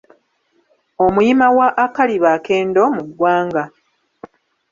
Omuyima wa Akalibaakendo mu ggwanga